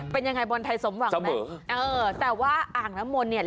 เป็นยังไงบอลไทยสมหวังไหมเออแต่ว่าอ่างน้ำมนต์เนี่ย